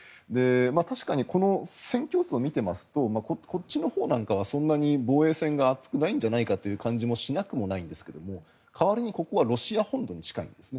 確かにこの戦況図を見ますとこっちのほうなんかはそんなに防衛線が厚くないんじゃないかという感じがしなくもないんですが代わりに、ここはロシア本土に近いんですね。